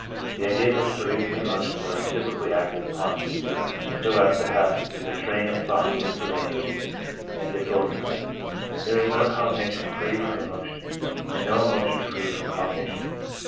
The ideas which produce the emotions are reciprocally acted upon and disturbed, so as to have the train of thought disarranged and disorganized. There is no cognition free from emotion, and no emotion free from cognition.